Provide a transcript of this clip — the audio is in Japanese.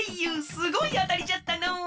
すごいあたりじゃったのう！